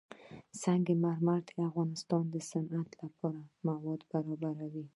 سنگ مرمر د افغانستان د صنعت لپاره مواد برابروي.